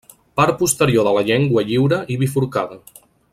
Part posterior de la llengua lliure i bifurcada.